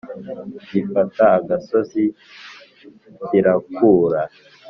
gifata agasozi kirakura